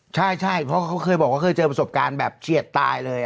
ใช่เพราะเขาเคยบอกว่าเคยเจอประสบการณ์แบบเฉียดตายเลย